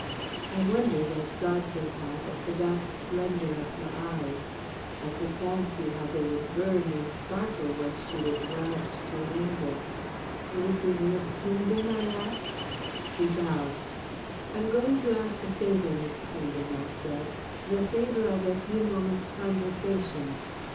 I wondered, as Godfrey had, at the dark splendour of her eyes; I could fancy how they would burn and sparkle once she was roused to anger. "This is Miss Kingdon?" I asked. She bowed. "I'm going to ask a favour, Miss Kingdon," I said, "the favour of a few moments' conversation."